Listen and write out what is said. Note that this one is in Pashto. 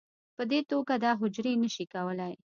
په دې توګه دا حجرې نه شي کولی